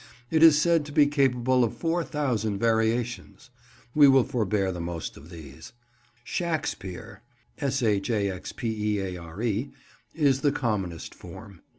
It is said to be capable of four thousand variations. We will forbear the most of these. "Shaxpeare" is the commonest form.